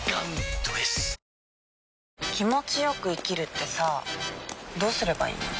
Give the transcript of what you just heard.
気持ちよく生きるってさどうすればいいの？